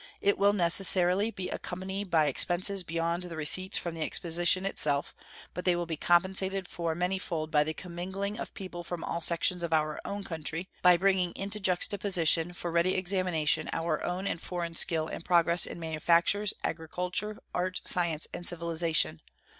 It will necessarily be accompanied by expenses beyond the receipts from the exposition itself, but they will be compensated for many fold by the commingling of people from all sections of our own country; by bringing together the people of different nationalities; by bringing into juxtaposition, for ready examination, our own and foreign skill and progress in manufactures, agriculture, art, science, and civilization.